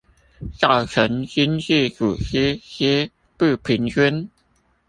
造成經濟組織之不平均